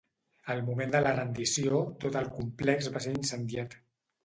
Al moment de la rendició, tot el complex va ser incendiat.